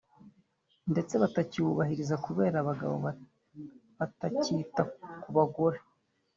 ndetse batakiwubahiriza kubera abagabo batakita ku bagore